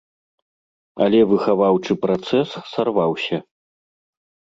Але выхаваўчы працэс сарваўся.